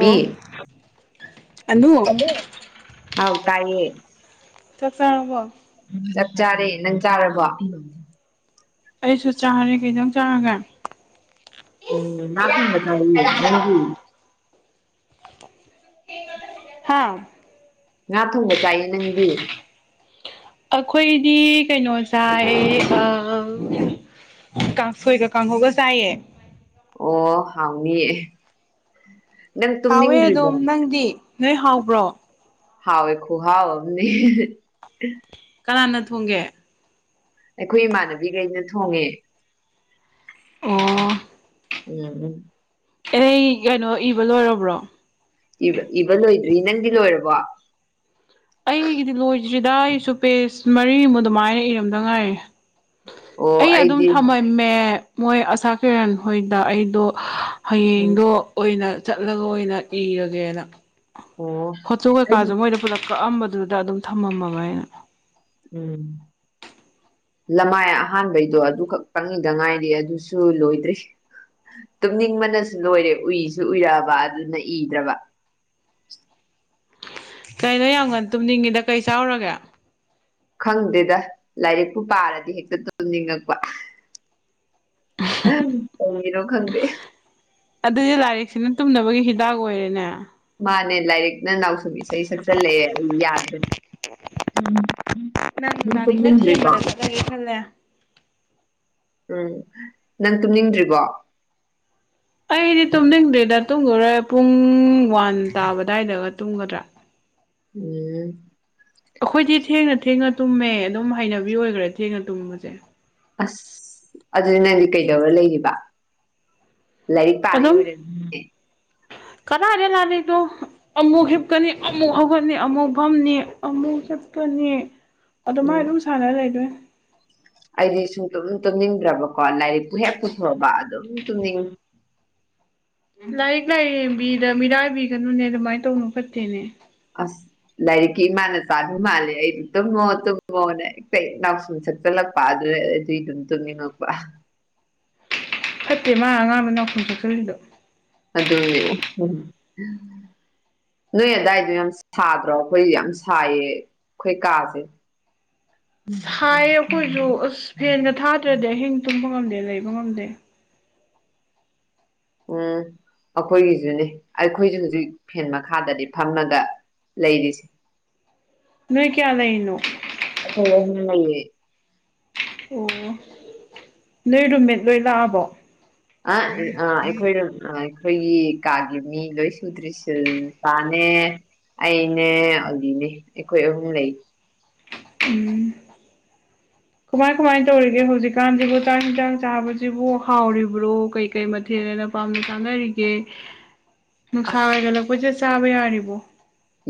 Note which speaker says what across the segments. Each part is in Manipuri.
Speaker 1: ꯕꯤ
Speaker 2: ꯑꯅꯨ
Speaker 1: [unintelligible] ꯍꯥꯎ ꯇꯥꯏꯌꯦ
Speaker 2: ꯆꯥꯛ ꯆꯥꯔꯕꯣ
Speaker 1: ꯆꯥꯛ ꯆꯥꯔꯦ ꯅꯪ ꯆꯥꯔꯕꯣ
Speaker 2: ꯑꯩꯁꯨ ꯆꯥꯔꯦ ꯀꯩ ꯏꯟꯁꯥꯡ ꯆꯥꯔꯒ
Speaker 1: ꯎꯝ ꯉꯥ ꯊꯣꯡꯕ ꯆꯥꯋꯦ ꯅꯪꯗꯤ
Speaker 2: ꯍꯥꯥ
Speaker 1: ꯉꯥ ꯊꯣꯡꯕ ꯆꯥꯏꯌꯦ ꯅꯪꯗꯨ
Speaker 2: ꯑꯩꯈꯣꯏꯗꯤ ꯀꯩꯅꯣ ꯆꯥꯏ ꯑꯥ ꯀꯥꯡꯁꯣꯏꯒ ꯀꯥꯡꯍꯧꯒ ꯆꯥꯌꯦ
Speaker 1: ꯑꯣ ꯍꯥꯎꯅꯤꯌꯦ ꯅꯪ
Speaker 2: ꯍꯥꯎꯋꯦ
Speaker 1: ꯇꯨꯝꯅꯤꯡꯗ꯭ꯔꯤꯕꯣ
Speaker 2: ꯑꯗꯝ ꯅꯪꯗꯤ ꯅꯣꯏ ꯍꯥꯎꯕ꯭ꯔꯣ
Speaker 1: ꯍꯥꯎꯋꯦ ꯈꯨꯍꯥꯎ ꯑꯝꯅꯤ
Speaker 2: ꯀꯅꯥꯅ ꯊꯣꯡꯒꯦ
Speaker 1: ꯑꯩꯈꯣꯏ ꯏꯃꯥꯟꯅꯕꯤꯈꯩꯅ ꯊꯣꯡꯉꯦ ꯎꯝ
Speaker 2: ꯑꯣ
Speaker 1: ꯎꯝ
Speaker 2: ꯑꯦ ꯀꯩꯅꯣ ꯏꯕ ꯂꯣꯏꯔꯕꯣ
Speaker 1: ꯏꯕ ꯏꯕ ꯂꯣꯏꯗ꯭ꯔꯤ ꯅꯪꯗꯤ ꯂꯣꯏꯔꯕꯣ
Speaker 2: ꯑꯩꯒꯤꯗꯤ ꯂꯣꯏꯗ꯭ꯔꯤꯗ ꯑꯩꯁꯨ ꯄꯦꯖ ꯃꯔꯤꯃꯨ ꯑꯗꯨꯃꯥꯏꯅ ꯏꯔꯝꯗ ꯉꯥꯏꯔꯤ
Speaker 1: ꯑꯣ
Speaker 2: ꯑꯩ ꯑꯗꯨꯝ
Speaker 1: ꯑꯩꯗꯤ
Speaker 2: ꯊꯝꯃꯝꯃꯦ ꯃꯣꯏ ꯑꯁꯥꯀꯤꯔꯟ ꯍꯣꯏꯗ ꯑꯩꯗꯣ
Speaker 1: ꯎꯝ
Speaker 2: ꯍꯌꯦꯡꯗꯣ ꯑꯣꯏꯅ ꯆꯠꯂꯒ ꯑꯣꯏꯅ ꯏꯔꯒꯦꯅ
Speaker 1: ꯑꯣ
Speaker 2: ꯐꯣꯠꯇꯣ
Speaker 1: ꯑꯩꯗꯤ
Speaker 2: ꯀꯩꯀꯥꯖꯨ ꯃꯣꯏꯗ ꯄꯨꯂꯞ ꯀꯛꯑꯝꯕꯗꯨꯗ ꯑꯗꯨꯝ ꯊꯝꯃꯝꯃꯕ ꯑꯩꯅ
Speaker 1: ꯎꯝ ꯂꯃꯥꯏ ꯑꯍꯥꯟꯕꯩꯗꯣ ꯑꯗꯨ ꯈꯛꯇꯪ ꯏꯗ ꯉꯥꯏꯔꯤ ꯑꯗꯨꯁꯨ ꯂꯣꯏꯗ꯭ꯔꯤ꯫ ꯇꯨꯝꯅꯤꯡꯕꯅꯁꯨ ꯂꯣꯏꯔꯦ ꯎꯏꯁꯨ ꯎꯏꯔꯛꯑꯕ ꯑꯗꯨꯅ ꯏꯗ꯭ꯔꯕ꯫
Speaker 2: ꯀꯩꯅꯣ ꯌꯥꯝ ꯉꯟꯅ ꯇꯨꯝꯅꯤꯡꯉꯤꯗ ꯀꯩ ꯆꯥꯎꯔꯒꯦ
Speaker 1: ꯈꯪꯗꯦꯗ ꯂꯥꯏꯔꯤꯛꯄꯨ ꯄꯥꯔꯗꯤ ꯍꯦꯛꯇ ꯇꯨꯝꯅꯤꯡꯉꯛꯄꯥ꯫ ꯑꯍꯝ ꯀꯔꯤꯒꯤꯅꯣ ꯈꯪꯗꯦ꯫
Speaker 2: ꯑꯗꯨꯗꯤ ꯂꯥꯏꯔꯤꯛꯁꯤꯅ ꯇꯨꯝꯅꯕꯒꯤ ꯍꯤꯗꯥꯛ ꯑꯣꯏꯔꯦꯅꯦ
Speaker 1: ꯃꯥꯅꯦ ꯂꯥꯏꯔꯤꯛ ꯅ ꯅꯥꯎꯁꯨꯝ ꯏꯁꯩ ꯁꯛꯆꯜꯂꯛꯑꯦ ꯑꯝ ꯌꯥꯗ꯭ꯔꯦ꯫ ꯎꯝ ꯎꯝ ꯅꯪ
Speaker 2: ꯂꯥꯏꯔꯤꯛꯅ
Speaker 1: ꯇꯨꯝꯅꯤꯡꯗꯔꯤꯕꯣ
Speaker 2: ꯊꯦꯝꯕꯗ ꯆꯠꯂꯒꯦ ꯈꯜꯂꯦ
Speaker 1: ꯎꯝ ꯅꯪ ꯇꯨꯝꯅꯤꯡꯗ꯭ꯔꯤꯕꯣ
Speaker 2: ꯑꯩꯗꯤ ꯇꯨꯝꯅꯤꯡꯗ꯭ꯔꯤꯗ ꯇꯨꯝꯈꯤꯔꯣꯏ ꯄꯨꯡ ꯋꯥꯟ ꯇꯥꯕ ꯑꯗꯨꯋꯥꯏꯗꯒ ꯇꯨꯝꯒꯗ꯭ꯔꯥ
Speaker 1: ꯎꯝ
Speaker 2: ꯑꯈꯣꯏꯗꯤ ꯊꯦꯡꯅ ꯊꯦꯡꯅ ꯇꯨꯝꯃꯦ ꯑꯗꯨꯝ ꯍꯩꯅꯕꯤ ꯑꯣꯏꯈꯔꯦ ꯊꯦꯡꯅ ꯇꯨꯝꯕꯖꯦ꯫
Speaker 1: ꯑꯁ ꯑꯗꯨꯅꯤ ꯅꯪꯗꯤ ꯀꯩꯗꯧꯔ ꯂꯩꯔꯤꯕ ꯂꯥꯏꯔꯤꯛ ꯄꯥꯔꯤ ꯑꯣꯏꯔꯝꯅꯤ꯫
Speaker 2: ꯀꯔꯥꯏꯗꯒꯤ ꯂꯥꯏꯔꯤꯛꯅꯣ ꯑꯃꯨꯛ ꯍꯤꯞꯀꯅꯤ ꯑꯃꯨꯛ ꯍꯧꯒꯠꯅꯤ ꯑꯃꯨꯛ ꯐꯝꯅꯤ ꯑꯃꯨꯛ ꯍꯤꯞꯄꯅꯤ꯫ ꯑꯗꯨꯃꯥꯏ
Speaker 1: ꯎꯝ
Speaker 2: ꯑꯗꯨꯝ ꯁꯥꯟꯅꯔ ꯂꯩꯗꯣꯏꯅꯤ
Speaker 1: ꯑꯩꯗꯤ ꯁꯨꯡꯇꯨꯝ ꯇꯨꯝꯅꯤꯡꯗ꯭ꯔꯕꯀꯣ ꯂꯥꯏꯔꯤꯛꯄꯨ ꯍꯦꯛ ꯄꯨꯊꯣꯛꯑꯕ ꯑꯗꯨꯝ ꯇꯨꯝꯅꯤꯡꯉꯤ
Speaker 2: ꯂꯥꯏꯔꯤꯛ ꯂꯥꯏꯔꯦꯝꯕꯤꯗ ꯃꯤꯔꯥꯏꯕꯤꯒꯅꯨꯅꯦ ꯑꯗꯨꯃꯥꯏ ꯇꯧꯅꯨ ꯐꯠꯇꯦꯅꯦ꯫
Speaker 1: ꯑꯁ ꯂꯥꯏꯔꯤꯛꯀꯤ ꯏꯃꯥꯅ ꯆꯥꯟꯕ ꯃꯥꯜꯂꯦ ꯑꯩꯗꯤ ꯇꯨꯝꯃꯣ ꯇꯨꯝꯃꯣꯅ ꯍꯛꯇ ꯅꯥꯎꯁꯨꯝ ꯁꯠ ꯁꯛꯂꯛꯄ ꯄꯖꯔꯗꯤ ꯑꯗꯨꯝ ꯇꯨꯡꯅꯤꯡꯉꯛꯄ
Speaker 2: ꯐꯠꯇꯦ ꯃꯥ ꯑꯉꯥꯡꯗ ꯅꯥꯎꯁꯨꯝ ꯁꯛꯆꯜꯂꯤꯗꯣ꯫
Speaker 1: ꯑꯗꯨꯅꯦ ꯎꯝ ꯍꯨꯝ ꯅꯣꯏ ꯑꯗꯥꯏꯗꯣ ꯌꯥꯝ ꯁꯥꯗ꯭ꯔꯣ ꯑꯩꯈꯣꯏ ꯌꯥꯝ ꯁꯥꯏꯌꯦ ꯑꯩꯈꯣꯏ ꯀꯥꯁꯦ
Speaker 2: [inaudible] ꯁꯥꯏꯌꯦ ꯑꯈꯣꯏꯁꯨ ꯑꯁ ꯐꯦꯟꯒ ꯊꯥꯗ꯭ꯔꯗꯤ ꯑꯍꯤꯡ ꯇꯨꯝꯕ ꯉꯝꯗꯦ ꯂꯩꯕ ꯉꯝꯗꯦ
Speaker 1: ꯎꯝ ꯑꯈꯣꯏꯒꯤꯁꯨꯅꯤ ꯑꯩꯈꯣꯏꯁꯨ ꯍꯧꯖꯤꯛ ꯐꯦꯟ ꯃꯈꯥꯗꯗꯤ ꯐꯝꯃꯒ ꯂꯩꯔꯤꯁꯤ
Speaker 2: ꯅꯣꯏ ꯀꯌꯥ ꯂꯩꯔꯤꯅꯣ
Speaker 1: ꯑꯈꯣꯏ ꯑꯍꯨꯝꯅ ꯅꯩꯌꯦ
Speaker 2: ꯑꯣ ꯑꯣ ꯅꯣꯏ ꯔꯨꯝꯃꯦꯠ ꯂꯣꯏ ꯂꯥꯛꯑꯕꯣ꯫
Speaker 1: ꯑꯈꯣꯏꯅ ꯑꯥ ꯑꯩꯈꯣꯏꯒꯤ ꯀꯥꯒꯤ ꯃꯤ ꯂꯣꯏ ꯁꯨꯗ꯭ꯔꯤ ꯁꯤꯜꯄꯥꯅꯦ ꯑꯩꯅꯦ ꯑꯂꯤꯅꯦ ꯑꯩꯈꯣꯏ ꯑꯍꯨꯝ ꯂꯩ
Speaker 2: ꯎꯝ ꯀꯃꯥꯏ ꯀꯃꯥꯏ ꯇꯧꯔꯤꯒꯦ ꯍꯧꯖꯤꯛꯀꯥꯟꯖꯤꯕꯨ ꯆꯥꯛ ꯍꯤꯟꯖꯥꯡ ꯆꯥꯕꯖꯤꯕꯨ ꯍꯥꯎꯔꯤꯕ꯭ꯔꯣ ꯀꯩꯀꯩ ꯃꯊꯦꯜꯅ ꯄꯥꯝꯅ ꯆꯥꯅꯔꯤꯒꯦ ꯅꯨꯡꯁꯥ
Speaker 1: ꯑꯁ
Speaker 2: ꯍꯥꯏꯒꯠꯂꯛꯄꯁꯤꯗ ꯆꯥꯕ ꯌꯥꯔꯤꯕꯣ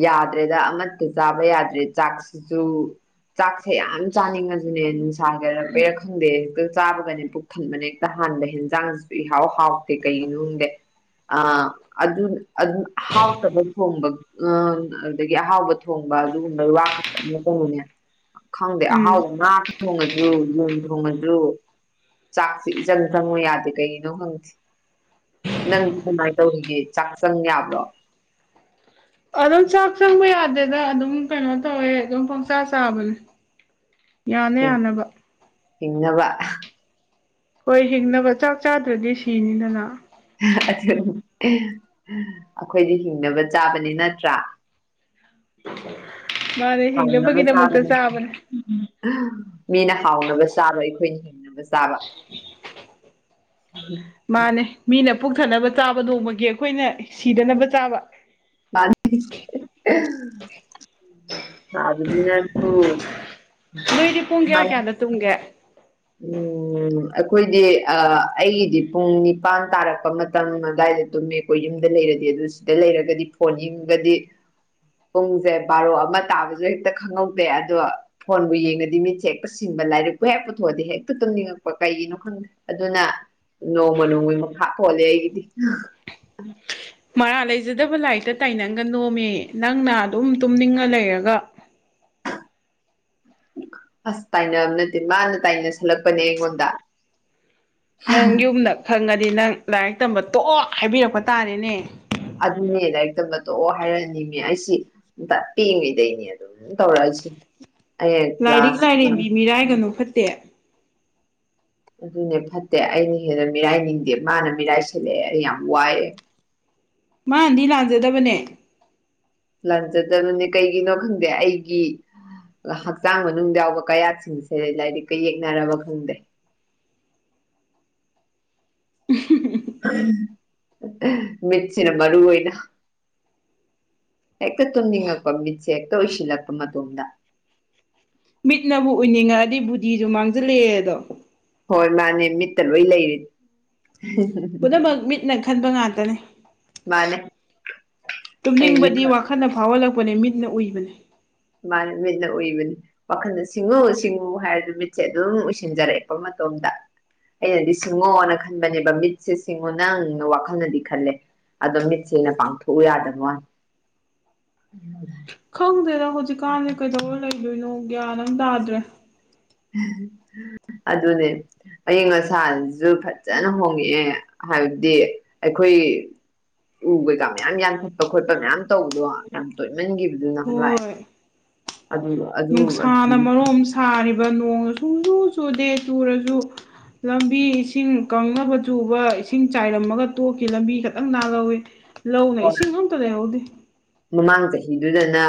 Speaker 1: ꯌꯥꯗ꯭ꯔꯦꯗ ꯑꯃꯇ ꯆꯥꯕ ꯌꯥꯗ꯭ꯔꯦ ꯆꯥꯛꯁꯨ ꯆꯥꯛꯁꯦ ꯌꯥꯝ ꯆꯥꯅꯤꯡꯉꯖꯨꯅꯦ ꯅꯨꯡꯁꯥ ꯍꯥꯏꯒꯠꯂꯛꯄꯩꯔꯥ ꯈꯪꯗꯦ ꯍꯦꯛꯇ ꯆꯥꯕꯒꯅꯦ ꯄꯨꯛ ꯊꯟꯕꯅ ꯍꯦꯛꯇ ꯍꯥꯟꯕ ꯍꯦꯟꯖꯥꯡꯁꯨ ꯏꯍꯥꯎ ꯍꯥꯎꯇꯦ ꯀꯩꯒꯤꯅꯣ ꯈꯪꯗꯦ ꯑꯥ ꯑꯗꯨ ꯑꯗꯨ ꯍꯥꯥꯎꯇꯕ ꯊꯣꯡꯕ ꯑꯥ ꯑꯗꯨꯗꯒꯤ ꯑꯍꯥꯎꯕ ꯊꯣꯡꯕ ꯑꯗꯨꯒꯨꯝꯕ ꯋꯥ ꯈꯛꯇ ꯊꯣꯡꯉꯤꯅꯦ ꯈꯪꯗꯦ ꯑꯍꯥꯎ
Speaker 2: ꯎꯝ
Speaker 1: ꯉꯥ ꯊꯣꯡꯉꯥꯥꯁꯨ ꯌꯦꯟ ꯊꯣꯡꯉꯥꯁꯨ ꯆꯥꯛꯁꯤ ꯏꯆꯪ ꯈꯪꯉꯨ ꯌꯥꯗꯦ ꯀꯩꯒꯤꯅꯣ ꯈꯪꯗꯦ ꯅꯪꯗꯤ ꯀꯃꯥꯏ ꯇꯧꯔꯤꯒꯦ ꯆꯥꯛ ꯆꯪ ꯌꯥꯕ꯭ꯔꯣ
Speaker 2: ꯑꯗꯨꯝ ꯆꯥꯛ ꯆꯪꯕ ꯌꯥꯗꯦꯗ ꯑꯗꯨꯝ ꯀꯩꯅꯣ ꯇꯧꯋꯦ ꯑꯗꯨꯝ ꯄꯪꯆꯥꯥ ꯆꯥꯕꯅꯤ ꯌꯥꯅ
Speaker 1: ꯍꯤꯡ
Speaker 2: ꯌꯥꯅꯕ
Speaker 1: ꯍꯤꯡꯅꯕ
Speaker 2: ꯍꯣꯏ ꯍꯤꯡꯅꯕ ꯆꯥꯛ ꯆꯥꯗ꯭ꯔꯗꯤ ꯁꯤꯅꯤꯗꯅ
Speaker 1: ꯑꯗꯨꯅꯤ ꯑꯈꯣꯏꯗꯤ ꯍꯤꯡꯅꯕ ꯆꯥꯕꯅꯦ ꯅꯠꯇ꯭ꯔꯥ
Speaker 2: ꯃꯥꯅꯦ
Speaker 1: ꯍꯥꯎꯅꯕ
Speaker 2: ꯍꯤꯡꯅꯕꯒꯤꯗꯃꯛꯇ
Speaker 1: ꯆꯥꯕꯅꯤ
Speaker 2: ꯆꯥꯕꯅꯦ
Speaker 1: ꯃꯤꯅ ꯍꯥꯎꯅꯕ ꯆꯥꯕ ꯑꯩꯈꯣꯏꯅ ꯍꯤꯡꯅꯕ ꯆꯥꯕ ꯎꯝ [inaudible]
Speaker 2: ꯃꯥꯅꯦ ꯃꯤꯅ ꯄꯨꯛꯊꯟꯅꯕ ꯆꯥꯕ ꯅꯣꯡꯃꯒꯤ ꯑꯩꯈꯣꯏꯅ ꯁꯤꯗꯅꯕ ꯆꯥꯕ
Speaker 1: ꯃꯥ [unintelligible] [unintelligible] ꯆꯥꯕꯗꯤꯅꯥꯪꯁꯨ
Speaker 2: ꯅꯣꯏꯗꯤ ꯄꯨꯡ ꯀꯌꯥ ꯀꯌꯥꯗ ꯇꯨꯝꯒꯦ
Speaker 1: ꯎꯝ ꯑꯩꯈꯣꯏꯗꯤ ꯑꯥ ꯑꯩꯒꯤꯗꯤ ꯄꯨꯡ ꯅꯤꯄꯥꯟ ꯇꯥꯔꯛꯄ ꯃꯇꯝ ꯑꯗꯨꯋꯥꯏꯗ ꯇꯨꯝꯃꯤ ꯑꯩꯈꯣꯏ ꯌꯨꯝꯗ ꯂꯩꯔꯗꯤ ꯑꯗꯨ ꯁꯤꯗ ꯂꯩꯔꯒꯗꯤ ꯐꯣꯟ ꯌꯤꯡꯕꯗꯤ ꯄꯨꯡꯁꯦ ꯕꯥꯔꯣ ꯑꯃꯥ ꯇꯥꯕꯁꯨ ꯍꯦꯛꯇ ꯈꯪꯍꯧꯗꯦ ꯑꯗꯣ ꯐꯣꯟꯕꯨ ꯌꯦꯡꯉꯗꯤ ꯃꯤꯠꯁꯦ ꯍꯦꯛꯇ ꯁꯤꯡꯕ ꯂꯥꯏꯔꯤꯛꯄꯨ ꯍꯦꯛꯄꯨ ꯊꯣꯛꯑꯗꯤ ꯍꯦꯛꯇ ꯇꯨꯝꯅꯤꯡꯉꯛꯄ ꯀꯩꯒꯤꯅꯣ ꯈꯪꯗꯦ ꯑꯗꯨꯅ ꯅꯣꯡꯃ ꯅꯣꯡꯃꯒꯤ ꯃꯈꯥ ꯄꯣꯟꯂꯦ ꯑꯩꯒꯤꯗꯤ
Speaker 2: ꯃꯔꯥꯜ ꯂꯩꯖꯗꯕ ꯂꯥꯏꯔꯤꯛꯇ ꯇꯥꯏꯅꯒꯅꯨꯃꯤ ꯅꯪꯅ ꯑꯗꯨꯝ ꯇꯨꯝꯅꯤꯡꯉ ꯂꯩꯔꯒ
Speaker 1: ꯑꯁ ꯇꯥꯏꯅꯕ ꯅꯠꯇꯦ ꯃꯥꯅ ꯇꯥꯏꯅ ꯁꯜꯂꯛꯄꯅꯦ ꯑꯩꯉꯣꯟꯗ
Speaker 2: ꯅꯪ ꯌꯨꯝꯅ ꯈꯪꯉꯗꯤ ꯅꯪ ꯂꯥꯏꯔꯤꯛ ꯇꯝꯕ ꯇꯣꯛꯑꯣ ꯍꯥꯏꯕꯤꯔꯛꯄ ꯇꯥꯔꯦꯅꯦ
Speaker 1: ꯑꯗꯨꯅꯦ ꯂꯥꯏꯔꯤꯛꯇꯝꯕ ꯇꯣꯛꯑꯣ ꯍꯥꯏꯔꯛꯑꯅꯤꯃꯦ ꯑꯩꯁꯤ ꯇꯥ ꯄꯤꯛꯏ ꯉ ꯩꯗꯒꯤ ꯑꯗꯨꯝ ꯇꯧꯔꯛꯑꯁꯤ
Speaker 2: ꯂꯥꯏꯔꯤꯛ ꯂꯥꯏꯔꯦꯝꯕꯤ ꯃꯤꯔꯥꯏꯒꯅꯨ ꯐꯠꯇꯦ
Speaker 1: ꯑꯗꯨꯅꯦ ꯐꯠꯇꯦ ꯑꯩꯅ ꯍꯦꯟꯅ ꯃꯤꯔꯥꯏꯅꯤꯡꯗꯦ ꯃꯥꯅ ꯃꯤꯔꯥꯏ ꯁꯤꯜꯂꯛꯑꯦ ꯑꯩ ꯌꯥꯝ ꯋꯥꯏꯑꯦ
Speaker 2: ꯃꯥꯅꯗꯤ ꯂꯥꯟꯖꯗꯕꯅꯦ
Speaker 1: ꯂꯥꯟꯖꯗꯕꯅꯦ ꯀꯩꯒꯤꯅꯣ ꯈꯪꯗꯦ ꯑꯩꯒꯤ ꯍꯛꯆꯥꯡ ꯃꯅꯨꯡꯗ ꯌꯥꯎꯕ ꯀꯌꯥꯠꯁꯤꯡꯁꯦ ꯂꯥꯏꯔꯤꯛꯀ ꯌꯦꯛꯅꯔꯕ ꯈꯪꯗꯦ
Speaker 2: [inaudible]
Speaker 1: ꯃꯤꯠꯁꯤꯅ ꯃꯔꯨ ꯑꯣꯏꯅ ꯍꯦꯛꯇ ꯇꯨꯝꯅꯤꯡꯉꯛꯄ ꯃꯤꯠꯁꯦ ꯍꯦꯛꯇ ꯎꯏꯁꯤꯜꯂꯛꯄ ꯃꯇꯣꯝꯗ
Speaker 2: ꯃꯤꯠꯅꯕꯨ ꯎꯏꯅꯤꯡꯉꯛꯑꯗꯤ ꯕꯨꯙꯤꯁꯨ ꯃꯡꯖꯤꯟꯂꯀꯦ ꯗꯣ
Speaker 1: ꯍꯣꯏ ꯃꯥꯅꯦ ꯃꯤꯠꯇ ꯂꯣꯏ ꯂꯩꯔꯤ
Speaker 2: ꯄꯨꯝꯅꯃꯛ ꯃꯤꯠꯅ ꯈꯟꯕ ꯉꯥꯛꯇꯅꯤ
Speaker 1: ꯃꯥꯅꯦ ꯑꯩ
Speaker 2: ꯇꯨꯝꯅꯤꯡꯕꯗꯤ
Speaker 1: ꯃꯤꯠꯅ
Speaker 2: ꯋꯥꯈꯜꯅ ꯐꯥꯎꯍꯜꯂꯛꯄꯅꯦ ꯃꯤꯠꯅ ꯎꯏꯕꯅꯦ
Speaker 1: ꯃꯥꯅꯦ ꯃꯤꯠꯅ ꯎꯏꯕꯅꯤ ꯋꯥꯈꯟꯅ ꯁꯤꯡꯉꯨ ꯁꯤꯡꯉꯨ ꯍꯥꯏꯔꯁꯨ ꯃꯤꯠꯁꯦ ꯑꯗꯨꯝ ꯎꯏꯁꯤꯟꯖꯔꯛꯑꯦꯀꯦ ꯃꯇꯣꯝꯗ ꯑꯩꯅꯗꯤ ꯁꯤꯡꯉꯣꯅ ꯈꯟꯕꯅꯦꯕ ꯃꯤꯠꯁꯦ ꯁꯤꯡꯉꯣ ꯅꯪ ꯋꯥꯈꯟꯅꯗꯤ ꯈꯟꯂꯦ ꯑꯗꯣ ꯃꯤꯠꯁꯤꯅ ꯄꯥꯡꯊꯣꯛꯎ ꯌꯥꯗꯕꯋꯥꯅꯤ
Speaker 2: ꯈꯪꯗꯦꯗ ꯍꯧꯖꯤꯛꯀꯥꯟꯁꯦ ꯀꯩꯗꯧꯔ ꯂꯩꯗꯣꯏꯅꯣ ꯒ꯭ꯌꯥꯟ ꯑꯝ ꯇꯥꯗ꯭ꯔꯦ
Speaker 1: ꯑꯗꯨꯅꯤ ꯑꯏꯤꯡ ꯑꯁꯥꯁꯨ ꯐꯖꯟꯅ ꯍꯣꯡꯉꯛꯑꯦ ꯍꯥꯏꯕꯗꯤ ꯑꯩꯈꯣꯏ ꯎ ꯀꯩꯀꯥ ꯃꯌꯥꯝ ꯌꯥꯟꯊꯠꯄ ꯈꯣꯠꯄ ꯃꯌꯥꯝ ꯇꯧꯕꯗꯣ ꯌꯥꯝ ꯇꯣꯏꯃꯟꯒꯤꯕ ꯑꯗꯨ ꯅꯍꯥꯟꯋꯥꯏ
Speaker 2: ꯍꯣꯏ
Speaker 1: ꯑꯗꯨꯒ
Speaker 2: ꯅꯨꯡꯁꯥꯅ ꯃꯔꯣꯟ ꯑꯃꯥ ꯁꯥꯔꯤꯕ ꯅꯣꯡꯅ ꯁꯨꯡꯆꯨ ꯆꯨꯗꯦ ꯆꯨꯔꯁꯨ ꯂꯝꯕꯤ ꯏꯁꯤꯡ ꯀꯪꯅꯕ ꯆꯨꯕ ꯏꯁꯤꯡ ꯆꯥꯏꯔꯝꯃꯒ ꯇꯣꯛꯈꯤ ꯂꯝꯕꯤ ꯈꯥꯛꯇꯪ ꯅꯥꯜꯍꯧꯋꯤ ꯂꯧꯅ ꯏꯁꯤꯡ ꯑꯝꯇ ꯂꯩꯍꯧꯗꯦ
Speaker 1: ꯃꯃꯥꯡ ꯆꯍꯤꯗꯨꯗꯅ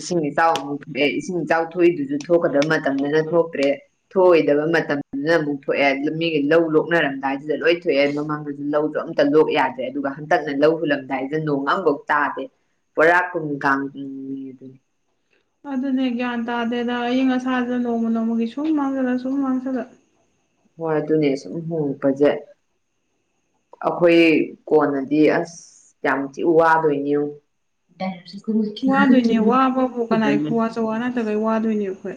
Speaker 1: ꯏꯁꯤꯡ ꯏꯆꯥꯎ ꯑꯃꯨꯛ ꯊꯣꯛꯑꯦ ꯏꯁꯤꯡ ꯏꯆꯥꯎ ꯊꯣꯛꯏꯗꯨꯖꯨ ꯊꯣꯛꯀꯗꯕ ꯃꯇꯝꯗꯅ ꯊꯣꯛꯇ꯭ꯔꯦ ꯊꯣꯛꯑꯣꯏꯗꯕ ꯃꯇꯝꯗꯅ ꯑꯃꯨꯛ ꯊꯣꯛꯑꯦ ꯃꯤꯒ ꯂꯧ ꯂꯣꯛꯅꯔꯝꯗꯥꯏꯁꯤꯗ ꯂꯣꯏ ꯊꯣꯛꯑꯦ ꯃꯃꯥꯡꯗꯁꯨ ꯂꯧꯒꯥ ꯑꯃ ꯂꯣꯛ ꯌꯥꯗ꯭ꯔꯦ ꯑꯗꯨꯒ ꯍꯟꯗꯛꯅ ꯂꯧ ꯍꯨꯜꯂꯝꯗꯥꯏꯁꯤꯗ ꯅꯣꯡ ꯑꯃꯐꯧ ꯇꯥꯗꯦ ꯄꯨꯔꯥ ꯀꯨꯝ ꯀꯥꯡꯒꯤꯃꯤ ꯑꯗꯨꯅꯤ
Speaker 2: ꯑꯗꯨꯅꯦ ꯒ꯭ꯌꯥꯟ ꯇꯥꯗꯦꯗ ꯑꯏꯪ ꯑꯁꯥꯖꯦ ꯅꯣꯡꯃ ꯅꯣꯡꯃꯒꯤ ꯁꯨꯝ ꯃꯥꯡꯖꯜꯂꯛ ꯁꯨꯝ ꯃꯥꯡꯖꯜꯂꯛ
Speaker 1: ꯍꯣꯏ ꯑꯗꯨꯅꯦ ꯁꯨꯝ ꯍꯣꯡꯉꯛꯄꯖꯦ ꯑꯩꯈꯣꯏ ꯀꯣꯟꯅꯗꯤ ꯑꯁ ꯌꯥꯝ ꯊꯤ ꯋꯥꯗꯨꯏꯅꯤ ꯌꯦꯡꯉꯨ [unintelligible]
Speaker 2: [unintelligible] ꯋꯥ ꯅꯠꯇꯕꯩ ꯋꯥꯗꯨꯏꯅꯦꯕ ꯑꯩꯈꯣꯏ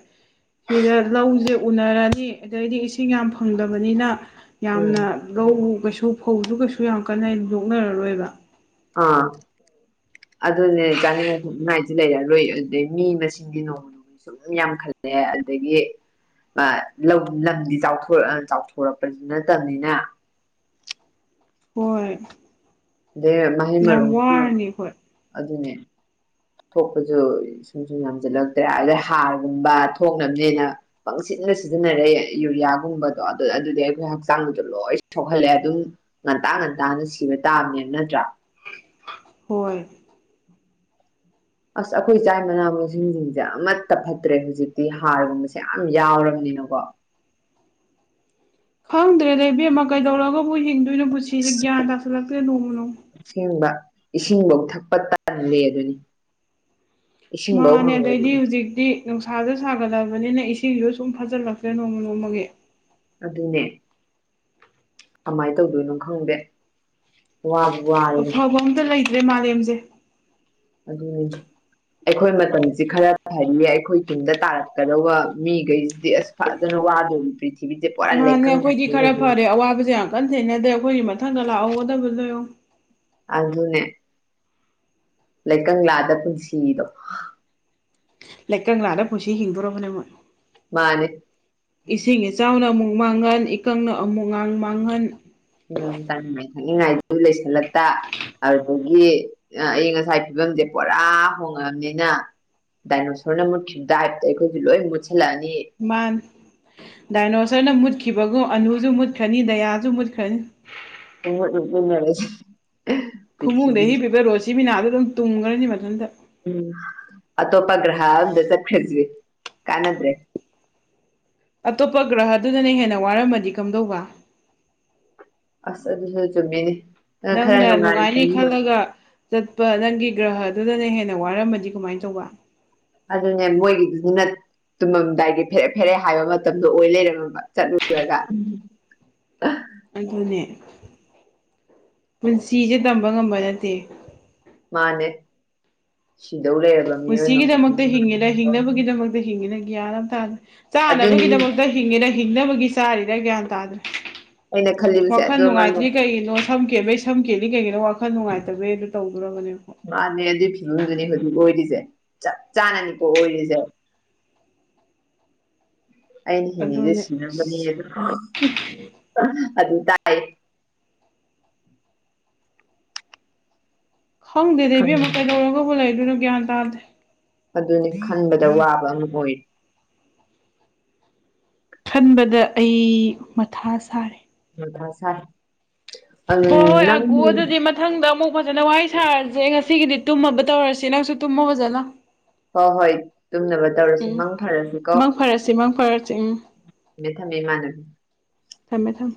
Speaker 2: ꯁꯤꯗ ꯂꯧꯖꯦ ꯎꯅꯔꯅꯤ ꯑꯗꯩꯗꯤ ꯏꯁꯤꯡ ꯌꯥꯝ ꯐꯪꯗꯕꯅꯤꯅ ꯌꯥꯝꯅ ꯂꯧ ꯀꯩꯁꯨ ꯐꯧꯖꯨ ꯀꯩꯁꯨ ꯌꯥꯝ ꯀꯟꯅ ꯂꯣꯛꯅꯔꯔꯣꯏꯕ
Speaker 1: ꯑꯥ ꯑꯗꯨꯅꯦ ꯆꯥꯅꯤꯡꯉꯥꯏꯗꯤ ꯂꯩꯔꯔꯣꯏ ꯑꯗꯨꯗꯩ ꯃꯤ ꯃꯁꯤꯡꯗꯤ ꯅꯣꯡꯃ ꯅꯣꯡꯃꯒꯤ ꯁꯨꯝ ꯌꯥꯝ ꯈꯠꯂꯂꯦ ꯑꯗꯒꯤ ꯑ ꯂꯧ ꯂꯝꯗꯤ ꯆꯥꯎꯊꯣꯔ ꯆꯥꯎꯊꯣꯔꯛꯄꯗꯤ, ꯅꯠꯇꯝꯅꯤꯅ
Speaker 2: ꯍꯣꯏ
Speaker 1: ꯑꯗꯩ ꯃꯍꯩ
Speaker 2: ꯌꯥꯝ
Speaker 1: ꯃꯔꯣꯡ
Speaker 2: ꯋꯥꯔꯅꯤ ꯑꯩꯈꯣꯏ
Speaker 1: ꯑꯗꯨꯅꯦ ꯊꯣꯛꯄꯁꯨ ꯁꯨꯝ ꯁꯨꯝ ꯌꯥꯝꯁꯤꯜꯂꯛꯇ꯭ꯔꯦ ꯑꯗꯩ ꯍꯥꯔꯒꯨꯝꯕ ꯊꯣꯛꯅꯕꯅꯦꯅ ꯄꯪꯁꯤꯟꯗ ꯁꯤꯖꯤꯟꯅꯔꯦ ꯌꯨꯔꯤꯌꯥꯒꯨꯝꯕꯗꯣ ꯑꯗꯣ ꯑꯗꯨꯗꯤ ꯑꯩꯈꯣꯏ ꯍꯛꯆꯥꯡꯗ ꯂꯣꯏ ꯁꯣꯛꯍꯜꯂꯦ ꯑꯗꯨꯝ ꯉꯟꯇꯥ ꯉꯟꯇꯥꯅ ꯁꯤꯕ ꯇꯥꯕꯅꯦꯕ ꯅꯠꯇ꯭ꯔꯥ
Speaker 2: ꯍꯣꯏ
Speaker 1: ꯑꯁ ꯑꯩꯈꯣꯏ ꯆꯥꯏ ꯃꯅꯥ ꯃꯁꯤꯡꯖꯤꯡꯖꯦ ꯑꯃꯠꯇ ꯐꯠꯇ꯭ꯔꯦ ꯍꯨꯖꯤꯛꯇꯤ ꯍꯥꯔꯒꯨꯝꯕꯁꯦ ꯌꯥꯝ ꯌꯥꯎꯔꯕꯅꯤꯅꯀꯣ
Speaker 2: ꯈꯪꯗ꯭ꯔꯦꯗ ꯏꯕꯦꯝꯃ ꯀꯩꯗꯧꯔꯒꯕꯨ ꯍꯤꯡꯗꯨꯏꯅꯣ ꯄꯨꯟꯁꯤꯖꯦ ꯒ꯭ꯌꯥꯟ ꯇꯥꯁꯤꯜꯂꯛꯇ꯭ꯔꯦ ꯅꯣꯡꯃ ꯅꯣꯡꯃ
Speaker 1: ꯑꯁꯦꯡꯕ ꯏꯁꯤꯡꯕꯧ ꯊꯛꯄ ꯇꯜꯂꯦꯗꯨꯅꯤ
Speaker 2: ꯃꯥꯅꯦ ꯑꯗꯩꯗꯤ ꯍꯨꯖꯤꯛꯇꯤ ꯅꯨꯡꯁꯥꯖꯨ ꯁꯥꯒꯠꯂꯑꯕꯅꯤꯅ ꯏꯁꯤꯡꯖꯨ ꯁꯨꯝ ꯐꯆꯜꯂꯛꯇ꯭ꯔꯦ ꯅꯣꯡꯃ ꯅꯣꯡꯃꯒꯤ
Speaker 1: ꯑꯗꯨꯅꯦ ꯀꯃꯥꯏ ꯇꯧꯗꯨꯏꯅꯣ ꯈꯪꯗꯦ ꯋꯥꯕ ꯋꯥ
Speaker 2: ꯑꯐꯕ ꯑꯝꯇ ꯂꯩꯇ꯭ꯔꯦ ꯃꯥꯂꯦꯝꯖꯦ
Speaker 1: ꯑꯗꯨꯅꯦ ꯑꯩꯈꯣꯏ ꯃꯇꯝꯖꯤ ꯈꯔ ꯐꯅꯤ ꯑꯩꯈꯣꯏ ꯇꯨꯡꯗ ꯇꯥꯔꯛꯀꯗꯧꯕ ꯃꯤꯒꯩꯖꯤꯗꯤ ꯑꯁ ꯐꯖꯅ ꯋꯥꯗꯧꯔꯤ ꯅꯨꯄꯤ
Speaker 2: ꯃꯥꯅꯦ ꯑꯩꯈꯣꯏꯗꯤ ꯈꯔ ꯐꯔꯦ ꯑꯋꯥꯕꯖꯦ ꯌꯥꯝ ꯀꯟ ꯊꯦꯡꯅꯗ꯭ꯔꯦ ꯑꯩꯈꯣꯏꯒꯤ ꯃꯊꯪꯗ ꯂꯥꯛꯍꯧꯒꯗꯕ ꯌꯦꯡꯉꯣ
Speaker 1: ꯑꯗꯨꯅꯦ ꯂꯩ ꯀꯪꯂꯥꯗ ꯄꯨꯟꯁꯤꯗꯣ
Speaker 2: ꯂꯩꯀꯪꯂꯥꯗ ꯄꯨꯟꯁꯤ ꯍꯤꯡꯗꯧꯔꯕꯅꯦ ꯃꯣꯏ
Speaker 1: ꯃꯥꯅꯦ
Speaker 2: ꯏꯁꯤꯡ ꯏꯆꯥꯎꯅ ꯑꯃꯨꯛ ꯃꯥꯡꯍꯟ ꯏꯀꯪꯅ ꯑꯃꯨꯛ ꯉꯥꯡ ꯃꯥꯡꯍꯟ
Speaker 1: ꯎꯝ ꯆꯥꯅꯤꯡꯉꯥꯏ ꯊꯛꯅꯤꯡꯉꯥꯏꯖꯨ ꯂꯩꯁꯜꯂꯛꯇ ꯑꯗꯨꯗꯒꯤ ꯑ ꯑꯏꯪ ꯑꯁꯥꯏ ꯐꯤꯕꯝꯖꯦ ꯄꯨꯔꯥ ꯍꯣꯡꯉꯛꯑꯕꯅꯤꯅ ꯗꯥꯏꯅꯣꯁꯣꯔꯅ ꯃꯨꯠꯈꯤꯕ ꯇꯥꯏꯞꯇꯣ ꯑꯩꯈꯣꯏꯖꯨ ꯂꯣꯏ ꯃꯨꯠꯁꯜꯂꯛꯑꯅꯤ
Speaker 2: ꯃꯥꯅꯤ ꯗꯥꯏꯅꯣꯔꯁꯔꯅ ꯃꯨꯠꯈꯤꯕꯒꯨꯝ ꯑꯅꯨꯖꯨ ꯃꯨꯠꯈ꯭ꯔꯅꯤ ꯗꯌꯥꯖꯨ ꯃꯨꯠꯈ꯭ꯔꯅꯤ
Speaker 1: ꯄꯨꯡꯃꯨꯠ ꯃꯨꯠꯃꯤꯟꯅꯔꯁꯤ
Speaker 2: ꯐꯃꯨꯡꯗ
Speaker 1: ꯄ꯭ꯔꯤꯊꯤꯕꯤꯁꯦ
Speaker 2: ꯍꯤꯞꯄꯤꯕ ꯔꯣꯁꯤꯕꯤꯅꯥꯖꯨ ꯑꯗꯨꯝ ꯇꯨꯝꯒ꯭ꯔꯅꯤ ꯃꯊꯟꯗ
Speaker 1: ꯎꯝ ꯑꯇꯣꯄ ꯒ꯭ꯔꯍ ꯑꯝꯗ ꯆꯠꯈ꯭ꯔꯁꯤ ꯀꯥꯟꯗ꯭ꯔꯦ
Speaker 2: ꯑꯇꯣꯞꯄ ꯒ꯭ꯔꯍ ꯗꯨꯅꯅꯤ ꯍꯦꯟꯅ ꯋꯥꯔꯝꯃꯗꯤ ꯀꯝꯗꯧꯕ
Speaker 1: ꯑꯁ ꯑꯗꯨꯁꯨ ꯆꯨꯝꯃꯤꯅꯦ
Speaker 2: ꯅꯪꯅ ꯅꯨꯡꯉꯥꯏꯅꯤ ꯈꯜꯂꯒ ꯆꯠꯄ ꯅꯪꯒꯤ ꯒ꯭ꯔꯍꯗꯨꯅ ꯍꯦꯟꯅ ꯋꯥꯔꯝꯃꯗꯤ ꯀꯃꯥꯏ ꯇꯧꯕ
Speaker 1: ꯑꯗꯨꯅꯦ ꯃꯣꯏꯒꯤꯗꯨꯗꯤ ꯅꯠ ꯇꯨꯝꯃꯝꯗꯥꯏꯒꯤ ꯐꯦꯔꯦ ꯐꯦꯔꯦ ꯍꯥꯏꯕ ꯃꯇꯝꯗꯣ ꯑꯣꯏ ꯂꯩꯔꯝꯃꯕ ꯆꯠꯂꯨꯔꯒ
Speaker 2: [inaudible] ꯑꯗꯨꯅꯦ ꯄꯨꯟꯁꯤꯖꯦ ꯇꯝꯕ ꯉꯝꯕ ꯅꯠꯇꯦ
Speaker 1: ꯃꯥꯅꯦ ꯁꯤꯗꯧ ꯂꯩꯔꯕ ꯃꯤꯑꯣꯏ ꯃꯄꯣꯛ [unintelligible]
Speaker 2: ꯍꯤꯡꯉꯤꯅ ꯒ꯭ꯌꯥꯟ ꯑꯃ ꯇꯥ
Speaker 1: ꯑꯗꯨꯅꯤ
Speaker 2: ꯆꯥꯅꯕꯒꯤꯗꯃꯛ ꯍꯤꯡꯉꯦꯅ ꯍꯤꯡꯅꯕꯒꯤ ꯆꯥꯔꯤꯔꯥ ꯒ꯭ꯌꯥꯟ ꯇꯥꯗ꯭ꯔꯦ
Speaker 1: ꯑꯩꯅ ꯈꯜꯂꯤꯕꯁꯦ
Speaker 2: ꯋꯥꯈꯜ
Speaker 1: ꯑꯗꯨ
Speaker 2: ꯅꯨꯡꯉꯥꯏꯇ꯭ꯔꯤ ꯀꯩꯒꯤꯅꯣ ꯁꯝ ꯀꯦꯟꯕꯩ ꯁꯝ ꯀꯦꯜꯂꯤ ꯀꯩꯒꯤꯅꯣ ꯋꯥꯈꯜ ꯅꯨꯡꯉꯥꯏꯇꯕꯩ ꯑꯗꯣ ꯇꯧꯗꯣꯔꯕꯅꯦ ꯑꯩꯈꯣꯏ
Speaker 1: ꯃꯥꯅꯦ ꯑꯗꯨꯢ ꯐꯤꯕꯝꯗꯨꯅꯤ ꯍꯧꯖꯤꯛ ꯑꯣꯏꯔꯤꯖꯦ ꯆꯞ ꯆꯥꯅꯅꯤꯀꯣ ꯑꯣꯏꯔꯤꯖꯦ ꯑꯩꯅ ꯍꯤꯡꯉꯤꯖꯦ
Speaker 2: ꯑꯗꯨꯅꯦ
Speaker 1: ꯁꯤꯅꯕꯅꯤ
Speaker 2: ꯑꯁ
Speaker 1: [unintelligible] ꯑꯗꯨ ꯇꯥꯏ
Speaker 2: ꯈꯪꯗꯦꯗ ꯏꯕꯦꯝꯃ ꯀꯩꯗꯧꯔꯒꯕꯨ ꯂꯩꯗꯨꯣꯏꯅꯣ ꯒ꯭ꯌꯥꯟ ꯇꯥꯗꯦ
Speaker 1: ꯑꯗꯨꯅꯤ ꯈꯟꯕꯗ ꯋꯥꯕ ꯑꯃ ꯑꯣꯏꯔꯤ
Speaker 2: ꯈꯟꯕꯗ ꯑꯩ ꯃꯊꯥ ꯁꯥꯔꯦ
Speaker 1: ꯃꯊꯥ ꯁꯥꯏ
Speaker 2: ꯍꯣꯏ
Speaker 1: [unintelligible]
Speaker 2: ꯍꯣꯏ
Speaker 1: ꯅꯪ
Speaker 2: ꯑꯒꯣ ꯑꯗꯨꯗꯤ ꯃꯊꯪꯗ ꯑꯃꯨꯛ ꯐꯖꯅ ꯋꯥꯔꯤ ꯁꯥꯔꯁꯦ ꯉꯁꯤꯒꯤꯗꯤ ꯇꯨꯝꯃꯕ ꯇꯧꯔꯁꯤ ꯅꯪꯁꯨ ꯇꯨꯝꯃꯣ ꯐꯖꯅ
Speaker 1: ꯍꯣꯏ ꯍꯣꯏ ꯇꯨꯝꯅꯕ ꯇꯧꯔꯁꯤ
Speaker 2: ꯎꯝ
Speaker 1: ꯃꯪ ꯐꯔꯁꯤꯀꯣ
Speaker 2: ꯃꯪ ꯐꯔꯁꯤ ꯃꯪ ꯐꯔꯁꯤ ꯎꯝ
Speaker 1: ꯊꯝꯃꯦ ꯊꯝꯃꯦ ꯏꯃꯥꯟꯅꯕꯤ
Speaker 2: ꯊꯝꯃꯦ ꯊꯝꯃꯦ